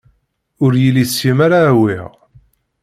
Ur yelli seg-m ara awiɣ.